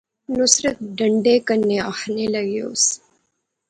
نصرت ڈانڈا کنے آخنے لاغیوس